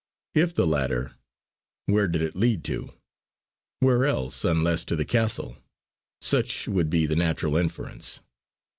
If the latter, where did it lead to? Where else, unless to the castle; such would be the natural inference.